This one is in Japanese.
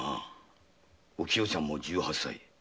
お清ちゃんも十八歳。